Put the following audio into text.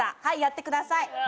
はいやってください。